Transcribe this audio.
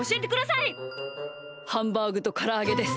ハンバーグとからあげです。